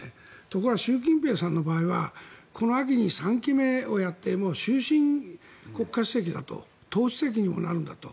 ところが習近平さんの場合はこの秋に３期目をやってもう終身国家主席だと党主席にもなるんだと。